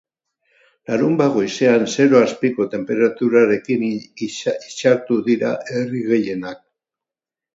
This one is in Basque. Larunbat goizean zero azpiko tenperaturarekin itxartu dira herri gehienak.